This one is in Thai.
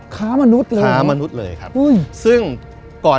ค้ามนุษย์เลยเหรอครับอุ๊ย